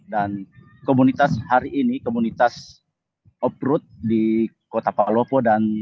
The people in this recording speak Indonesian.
dan komunitas hari ini komunitas off road di kota palopo dan lugu dilepas